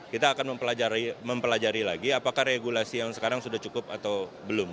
kita akan mempelajari lagi apakah regulasi yang sekarang sudah cukup atau belum